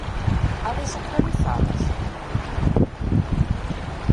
A desacralizalas?